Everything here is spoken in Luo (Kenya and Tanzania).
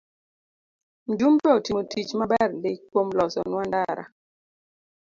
Mjumbe otimo tich maber ndii kuom loso nwa ndara